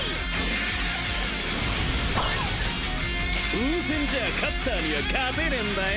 風船じゃカッターには勝てねぇんだよ！